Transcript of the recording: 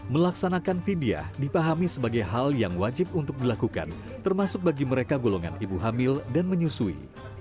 melaksanakan vidya dipahami sebagai hal yang wajib untuk dilakukan termasuk bagi mereka golongan ibu hamil dan menyusui